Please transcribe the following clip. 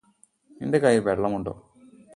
നിന്റെ കയ്യിൽ വെള്ളമുണ്ടോ?